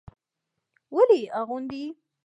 ولې يې اغوندي.